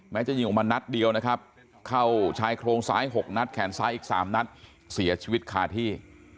จะยิงออกมานัดเดียวนะครับเข้าชายโครงซ้าย๖นัดแขนซ้ายอีก๓นัดเสียชีวิตคาที่